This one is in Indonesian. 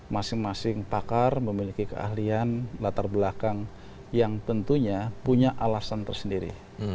masing masing pakar memiliki keahlian latar belakang yang tentunya punya alasan tersendiri